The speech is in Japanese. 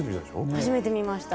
初めて見ました。